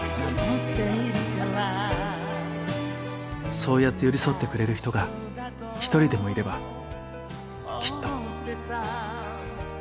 そうやって寄り添ってくれる人が一人でもいればきっと。